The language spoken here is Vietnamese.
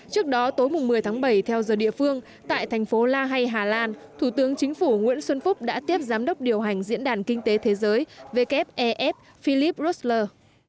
trước đó tối một mươi tháng bảy theo giờ địa phương tại thành phố la hay hà lan thủ tướng chính phủ nguyễn xuân phúc đã tiếp giám đốc điều hành diễn đàn kinh tế thế giới wef philip rosler